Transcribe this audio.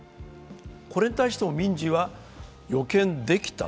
これに対して民事は、予見できた。